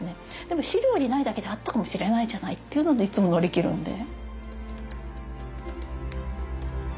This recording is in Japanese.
でも資料にないだけであったかもしれないじゃない？っていうのでいつも乗り切るんで。